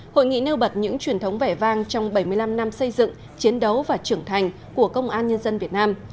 hội nghị nêu bật những truyền thống vẻ vang trong bảy mươi năm năm xây dựng chiến đấu và trưởng thành của công an nhân dân việt nam